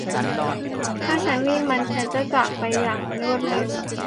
ถ้าฉันมีมัน ฉันจะจากไปอย่างรวดเร็ว